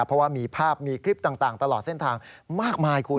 เพราะว่ามีภาพมีคลิปต่างตลอดเส้นทางมากมายคุณ